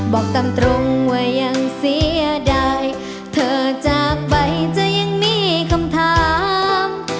บอกตามตรงว่ายังเสียดายเธอจากไปจะยังมีคำถาม